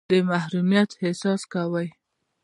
د محرومیت احساس کوئ.